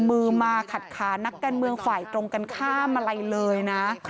มือมาขัดขานักการเมืองฝ่ายตรงกันข้ามอะไรเลยนะ